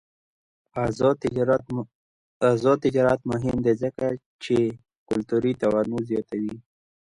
آزاد تجارت مهم دی ځکه چې کلتوري تنوع زیاتوي.